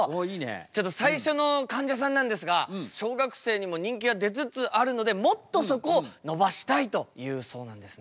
ちょっと最初のかんじゃさんなんですが小学生にも人気が出つつあるのでもっとそこを伸ばしたいというそうなんですね。